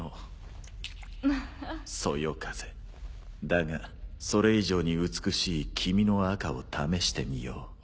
だがそれ以上に美しい君の赤を試してみよう。